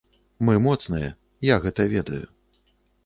Мы моцныя, і я гэта ведаю.